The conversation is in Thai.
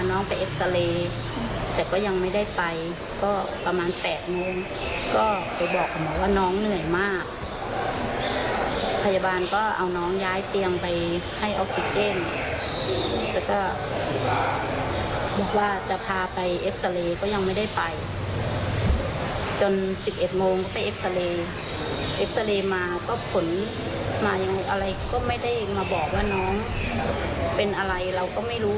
น้องไปเอ็กซาเรย์เอ็กซาเรย์มาก็ผลมาอย่างไรก็ไม่ได้มาบอกว่าน้องเป็นอะไรเราก็ไม่รู้